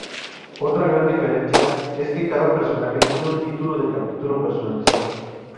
Otra gran diferencia es que cada personaje tiene un título de capítulo personalizado.